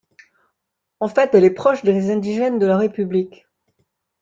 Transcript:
En fait, elle est proche des Indigènes de la République.